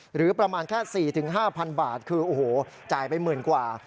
หรือประมาณแค่๔๕๐๐บาทคือโอ้โหจ่ายไปหมื่นกว่า